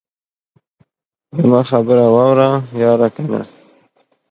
زما خبره واوره ياره کنه.